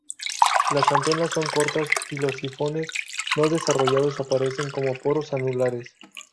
Las antenas son cortas y los sifones, no desarrollados, aparecen como poros anulares.